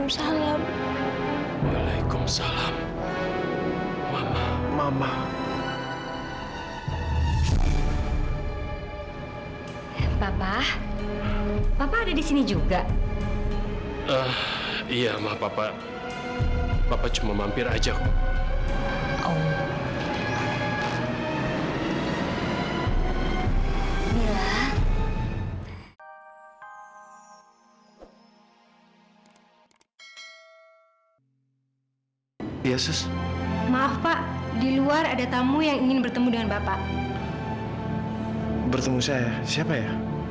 sampai jumpa di video selanjutnya